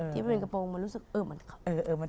ที่เป็นกระโปรงมันรู้สึกเออมัน